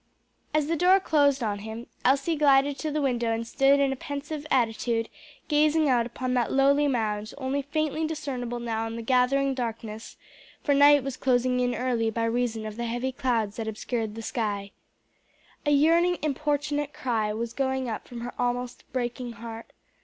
As the door closed on him, Elsie glided to the window and stood in a pensive attitude gazing out upon that lowly mound, only faintly discernible now in the gathering darkness, for night was closing in early by reason of the heavy clouds that obscured the sky. A yearning importunate cry was going up from her almost breaking heart.